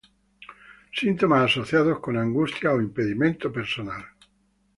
Síntomas asociados con angustia o impedimento personal.